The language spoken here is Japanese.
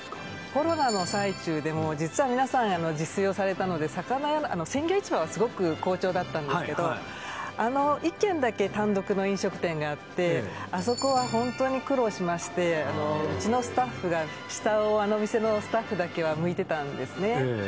コロナの最中でもう実は皆さん自炊をされたので魚屋あの鮮魚市場はすごく好調だったんですけどはいはいあの一軒だけ単独の飲食店があってあそこは本当に苦労しましてあのうちのスタッフが下をあの店のスタッフだけは向いてたんですねええ